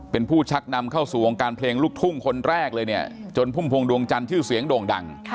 เป็นผู้ชักนำเข้าสู่วงการเพลงลูกทุ่งคนแรกเลยเนี่ยจนพุ่มพวงดวงจันทร์ชื่อเสียงโด่งดัง